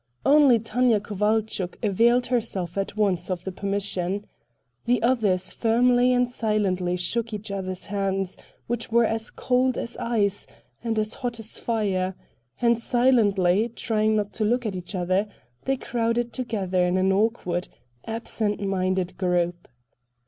Only Tanya Kovalchuk availed herself at once of the permission. The others firmly and silently shook each other's hands, which were as cold as ice and as hot as fire,—and silently, trying not to look at each other, they crowded together in an awkward, absent minded group.